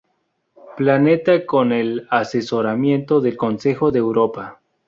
Planeta con el asesoramiento del Consejo de Europa.